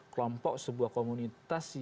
kelompok sebuah komunitas